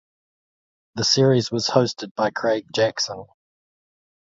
The series was hosted by Craig Jackson.